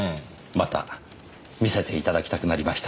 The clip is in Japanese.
また見せていただきたくなりました。